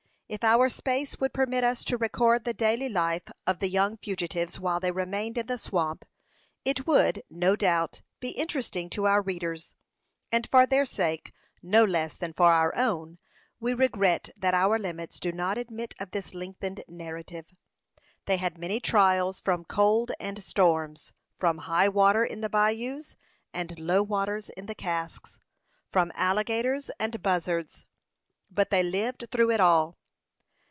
If our space would permit us to record the daily life of the young fugitives while they remained in the swamp, it would, no doubt, be interesting to our readers; and for their sake, no less than for our own, we regret that our limits do not admit of this lengthened narrative. They had many trials from cold and storms, from high water in the bayous and low water in the casks, from alligators and buzzards; but they lived through it all.